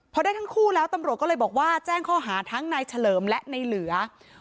พอได้ทั้งคู่แล้วตำรวจก็เลยบอกว่าแจ้งข้อหาทั้งนายเฉลิมและในเหลือ